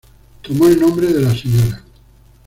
Tomó el nombre de la Sra.